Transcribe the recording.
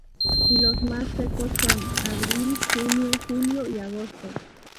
Y los más secos son abril, junio, julio y agosto.